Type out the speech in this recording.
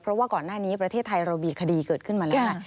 เพราะว่าก่อนหน้านี้ประเทศไทยเรามีคดีเกิดขึ้นมาแล้ว